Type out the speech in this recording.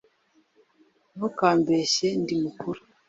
ntukambeshye ndi mukuru